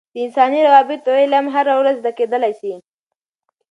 د انساني روابطو علم هره ورځ زده کیدلای سي.